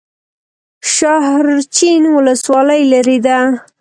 د شاحرچین ولسوالۍ لیرې ده